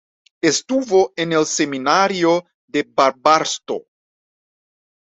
Estuvo en el Seminario de Barbastro.